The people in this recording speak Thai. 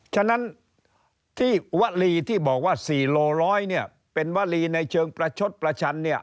ฉะนั้นที่วลีที่บอกว่า๔โลร้อยเนี่ยเป็นวลีในเชิงประชดประชันเนี่ย